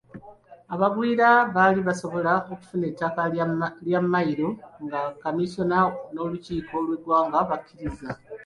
Abagwira baali basobola okufuna ettaka lya mmayiro nga kkamiisona n’olukiiko lw’eggwanga bakkirizza.